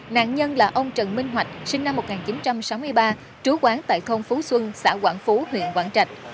nạn nhân là ông trần minh hoạch sinh năm một nghìn chín trăm sáu mươi ba trú quán tại thôn phú xuân xã quảng phú huyện quảng trạch